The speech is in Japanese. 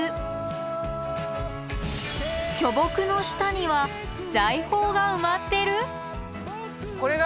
巨木の下には財宝が埋まってる？